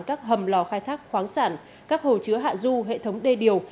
các hầm lò khai thác khoáng sản các hồ chứa hạ du hệ thống đê điều